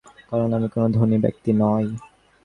কারণ আমি কোনো ধনী ব্যক্তি নই।